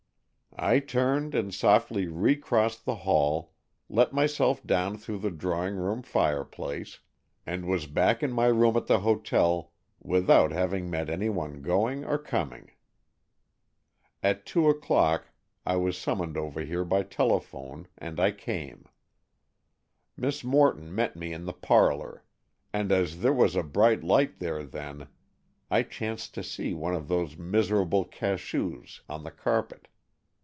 I turned and softly recrossed the hall, let myself down through the drawing room fireplace, and was back in my room at the hotel without having met any one going or coming. At two o'clock I was summoned over here by telephone, and I came. Miss Morton met me in the parlor, and as there was a bright light there then, I chanced to see one of those miserable cachous on the carpet.